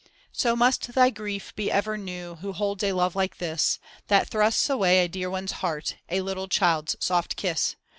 So must thy grief be ever new who holds a love like this. That thrusts away a dear one's heart, a little child's soft kiss.